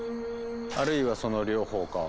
あるいはその両方か。